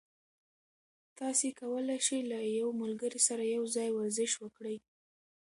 تاسي کولای شئ له یو ملګري سره یوځای ورزش وکړئ.